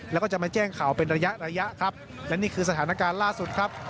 แล้วก็จะมาแจ้งข่าวเป็นระยะระยะครับและนี่คือสถานการณ์ล่าสุดครับ